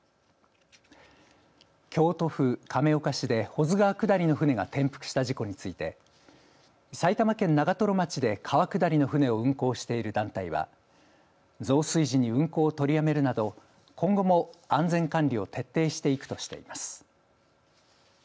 京都府亀岡市で保津川下りの舟が転覆した事故について埼玉県長瀞町で川下りの舟を運航している団体は増水時に運航を取りやめるなど今後も安全管理を徹底していくとしています。